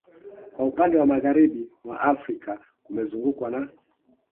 Kwa upande wa Magharibi mwa Afrika kumezungukwa na